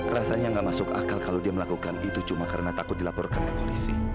rasanya nggak masuk akal kalau dia melakukan itu cuma karena takut dilaporkan ke polisi